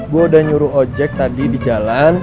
gue udah nyuruh ojek tadi di jalan